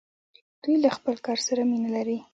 دوی له خپل کار سره مینه لري.